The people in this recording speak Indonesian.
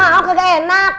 enggak mau enggak enak